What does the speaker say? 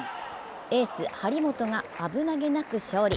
エース・張本が危なげなく勝利。